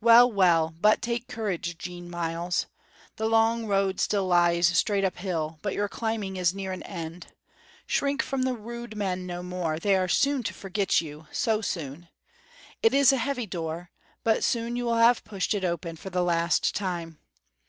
Well, well; but take courage, Jean Myles. The long road still lies straight up hill, but your climbing is near an end. Shrink from the rude men no more, they are soon to forget you, so soon! It is a heavy door, but soon you will have pushed it open for the last time.